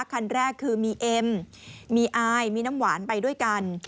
คันแรกคือมีเอ็มมีอายมีน้ำหวานไปด้วยกัน